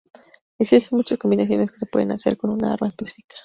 Existen muchas combinaciones que se pueden hacer con un arma específica.